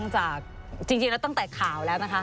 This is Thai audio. จากจริงแล้วตั้งแต่ข่าวแล้วนะคะ